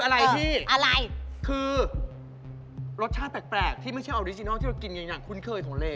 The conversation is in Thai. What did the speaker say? แล้วอย่าที่มีบอกคืออะไร